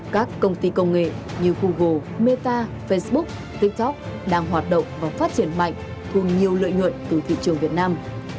các công ty công nghệ như google meta facebook tiktok đang hoạt động và phát triển mạnh cùng nhiều lợi nhuận từ thị trường việt nam